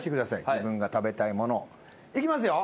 自分が食べたいもの。いきますよ。